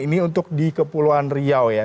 ini untuk di kepulauan riau ya